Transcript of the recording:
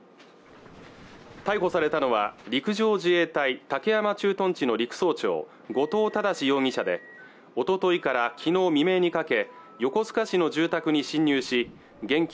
逮捕されたのは陸上自衛隊武山駐屯地の陸曹長後藤正容疑者でおとといからきのう未明にかけ横須賀市の住宅に侵入し現金